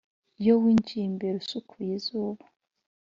iyo winjiye imbere usukuye izuba,